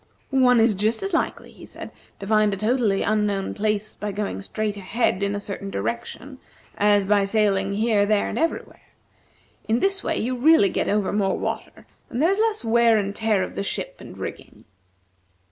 "One is just as likely," he said, "to find a totally unknown place by going straight ahead in a certain direction, as by sailing here, there, and everywhere. In this way, you really get over more water, and there is less wear and tear of the ship and rigging."